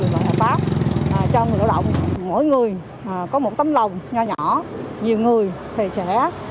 và hợp tác cho người lao động mỗi người có một tấm lòng nhỏ nhỏ nhiều người thì sẽ